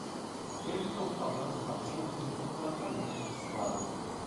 Eu estou falando apenas metaforicamente, claro.